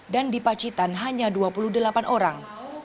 dan di pacitan hanya dua puluh delapan orang